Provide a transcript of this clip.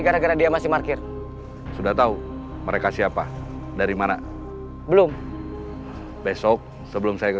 gara gara dia masih markir sudah tahu mereka siapa dari mana belum besok sebelum saya ke